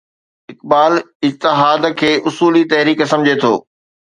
اقبال اجتهاد کي اصولي تحريڪ سمجهي ٿو.